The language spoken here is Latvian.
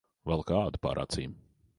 Velk ādu pār acīm.